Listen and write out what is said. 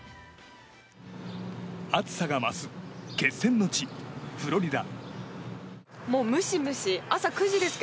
暑さが増す決戦の地フロリダ。